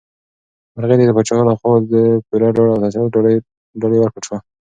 مرغۍ ته د پاچا لخوا د پوره ډاډ او تسلیت ډالۍ ورکړل شوه.